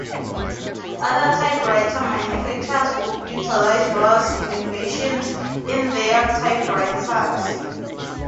Other typewriter manufacturers would utilize Royal's innovations in their typewriters.